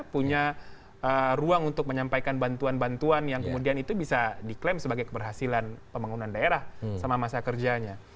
punya ruang untuk menyampaikan bantuan bantuan yang kemudian itu bisa diklaim sebagai keberhasilan pembangunan daerah sama masa kerjanya